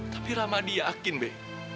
tapi ramadi yakin be